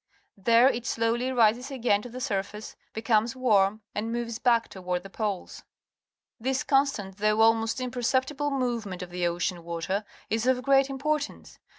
There it slowly rises again to the surface, becomes warm, and moves back toward the poles. This_con^tant^though almost impercep tible movement of the ocean water is of great importajice..